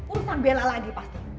urusan bella lagi pasti